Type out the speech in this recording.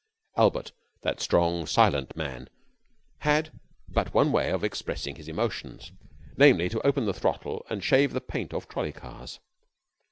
Albert, that strong, silent man, had but one way of expressing his emotions, namely to open the throttle and shave the paint off trolley cars.